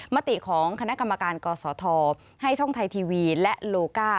มติของคณะกรรมการกศธให้ช่องไทยทีวีและโลก้า